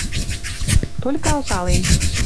Толькы алтален.